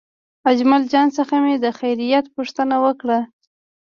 له اجمل جان څخه مې د خیریت پوښتنه وکړه.